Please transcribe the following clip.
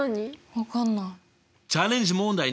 分かんない。